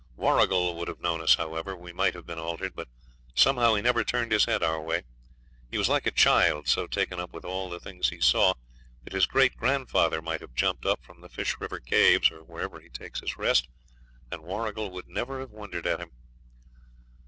Warrigal would have known us however we might have been altered, but somehow he never turned his head our way. He was like a child, so taken up with all the things he saw that his great grandfather might have jumped up from the Fish River Caves, or wherever he takes his rest, and Warrigal would never have wondered at him.